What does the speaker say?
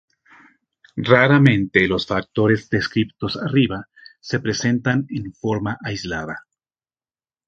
Raramente los factores descriptos arriba se presentan en forma aislada.